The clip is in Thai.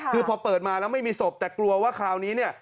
คือพอเปิดมาแล้วไม่มีศพแต่กลัวว่าคราวนี้เนี่ย